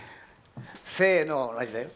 「せの」は同じだよ。